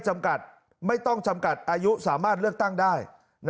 จำกัดไม่ต้องจำกัดอายุสามารถเลือกตั้งได้